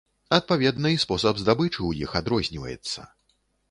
Адпаведна і спосаб здабычы ў іх адрозніваецца.